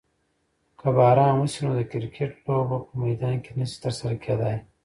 که باران وشي نو د کرکټ لوبه په میدان کې نشي ترسره کیدی.